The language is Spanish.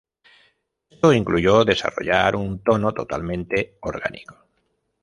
Esto incluyó desarrollar un tono totalmente orgánico.